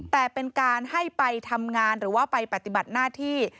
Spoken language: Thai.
แต่เป็นการให้ไปทำงานหรือว่าไปปฏิบัติหน้าที่